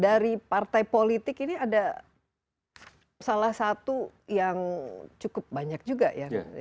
dari partai politik ini ada salah satu yang cukup banyak juga ya